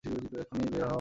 এক্ষুনি বের হও!